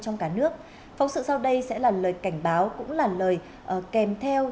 trong cả nước phóng sự sau đây sẽ là lời cảnh báo cũng là lời kèm theo